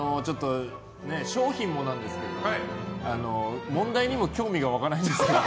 賞品もなんですけど、問題にも興味が湧かないんですけど。